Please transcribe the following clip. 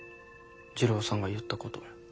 次郎さんが言ったこと。